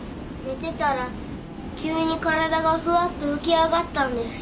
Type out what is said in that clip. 寝てたら急に体がフワッと浮き上がったんです。